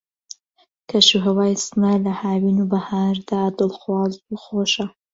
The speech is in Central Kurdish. کەش و ھەوای سنە لە ھاوین و بەھار دا دڵخواز و خۆشە